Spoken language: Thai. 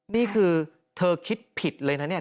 นี่คือเธอคิดผิดเลยนะเนี่ย